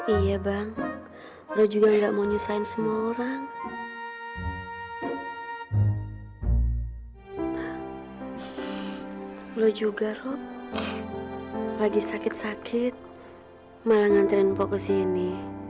iya bang lu juga enggak mau nyusahin semua orang lu juga rob lagi sakit sakit malah ngantriin pokok sini